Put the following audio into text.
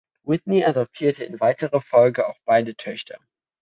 Whitney adoptierte in weiterer Folge auch beide Töchter.